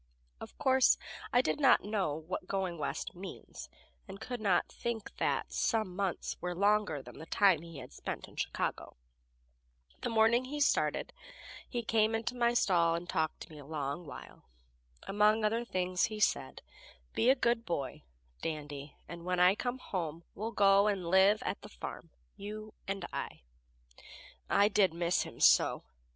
Of course, I did not know what going West means, and could not think that "some months" were longer than the time he had spent in Chicago. The morning he started he came into my stall and talked to me a long while. Among other things he said: "Be a good boy, Dandy, and when I come home we'll go and live at the farm you and I." I did miss him so!